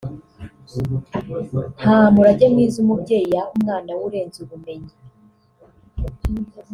Nta murage mwiza umubyeyi yaha umwana we urenze ubumenyi